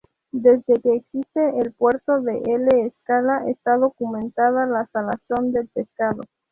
Desde que existe el puerto de L’Escala está documentada la salazón de pescado.